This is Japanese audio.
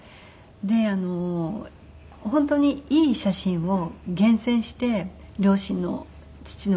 で本当にいい写真を厳選して両親の父の分母の分。